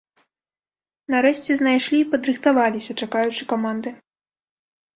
Нарэшце знайшлі і падрыхтаваліся, чакаючы каманды.